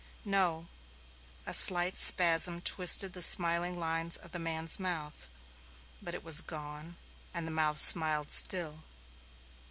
"No." A slight spasm twisted the smiling lines of the man's mouth, but it was gone and the mouth smiled still.